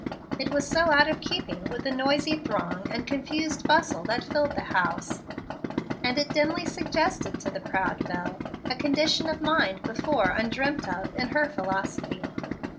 It was so out of keeping with the noisy throng and confused bustle that filled the house, and it dimly suggested to the proud belle a condition of mind before undreamt of in her philosophy.